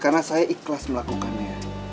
karena saya ikhlas melakukannya